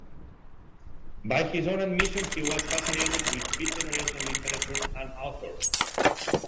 By his own admission, he was fascinated with Beat Generation literature and authors.